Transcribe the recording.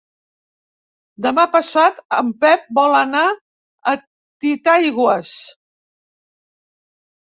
Demà passat en Pep vol anar a Titaigües.